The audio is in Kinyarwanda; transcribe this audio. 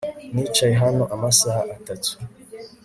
Nicaye hano amasaha atatu